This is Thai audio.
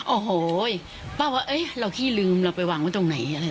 โอ้โหป้าว่าเอ๊ะเราขี้ลืมเราไปวางไว้ตรงไหนอะไร